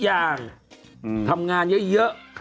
และทำงานเยอะ